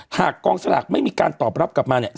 กองสลากไม่มีการตอบรับกลับมาเนี่ย